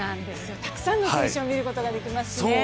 たくさんの選手が見ることができますしね。